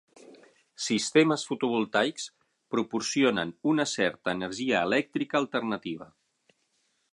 Sistemes fotovoltaics proporcionen una certa energia elèctrica alternativa.